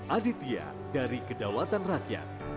aditya dari kedawatan rakyat